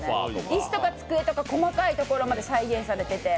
いすとか机とか細かいところまで再現されてて。